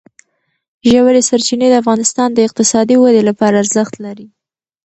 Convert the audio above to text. ژورې سرچینې د افغانستان د اقتصادي ودې لپاره ارزښت لري.